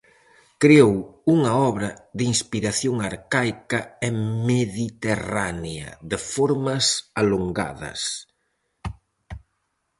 Creou unha obra de inspiración arcaica e mediterránea, de formas alongadas.